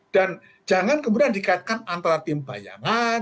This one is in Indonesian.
dan jangan kemudian dikaitkan antara tim bayangan